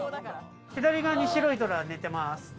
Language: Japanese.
左側に白いトラが寝てます。